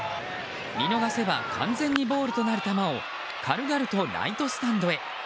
見逃せば完全にボールとなる球を軽々とライトスタンドへ。